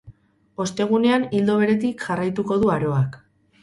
Ostegunean ildo beretik jarraituko du aroak.